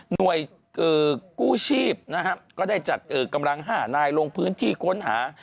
หน่วยกู้ชีพนะฮะก็ได้จัดกำลัง๕นายลงพื้นที่ค้นหา